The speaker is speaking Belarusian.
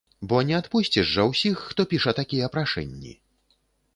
Бо не адпусціш жа ўсіх, хто піша такія прашэнні?